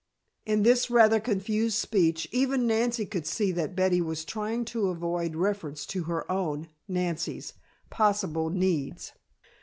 In this rather confused speech, even Nancy could see that Betty was trying to avoid reference to her own (Nancy's) possible needs.